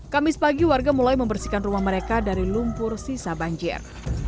kamis pagi warga mulai membersihkan rumah mereka dari lumpur sisa banjir